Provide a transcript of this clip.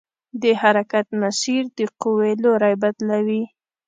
د حرکت مسیر د قوې لوری بدلوي.